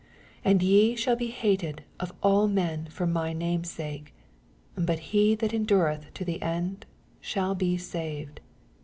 22 And ye shall be hated of all mm for my name^s sake : but he that en dureth to the end shall be saved.